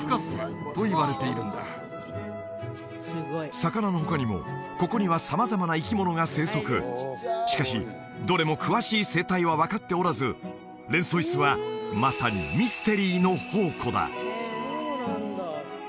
魚の他にもここには様々な生き物が生息しかしどれも詳しい生態は分かっておらずレンソイスはまさにミステリーの宝庫だ